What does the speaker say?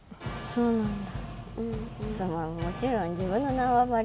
そうなんだ。